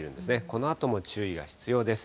このあとも注意が必要です。